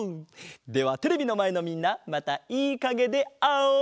ではテレビのまえのみんなまたいいかげであおう！